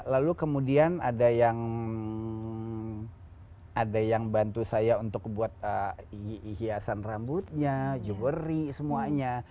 lalu kemudian ada yang bantu saya untuk buat hiasan rambutnya jewelry semuanya